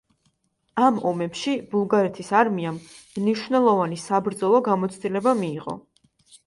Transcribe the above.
ამ ომებში ბულგარეთის არმიამ მნიშვნელოვანი საბრძოლო გამოცდილება მიიღო.